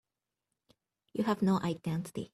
You have no identity.